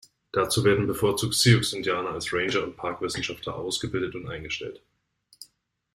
Dazu werden bevorzugt Sioux-Indianer als Ranger und Park-Wissenschaftler ausgebildet und eingestellt.